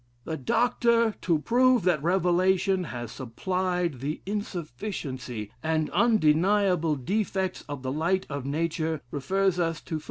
The Dr., to prove that revelation has supplied the insufficiency, and undeniable defects of the light of nature, refers us to Phil.